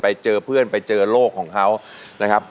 ไปเจอเพื่อนไปเจอโลกของเขานะครับ